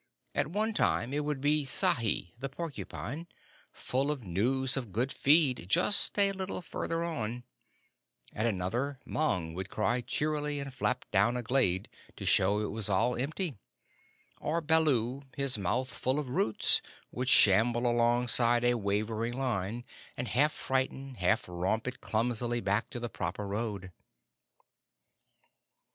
At one time it would be Sahi the Porcupine, full of news of good feed just a little further on; at another Mang would cry cheerily and flap down a glade to show it was all empty; or Baloo, his mouth full of roots, would shamble alongside a wavering line and half frighten, half romp it clumsily back to the proper road.